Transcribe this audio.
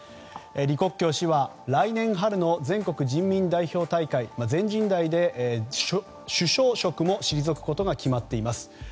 李克強氏は、来年春の全国人民代表大会全人代で首相職も退くことが決まっています。